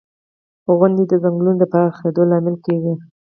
• غونډۍ د ځنګلونو د پراخېدو لامل کېږي.